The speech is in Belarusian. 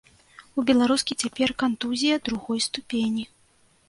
У беларускі цяпер кантузія другой ступені.